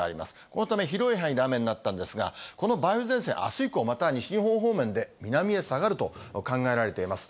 このため広い範囲で雨になったんですが、この梅雨前線、あす以降、また西日本方面で南へ下がると考えられています。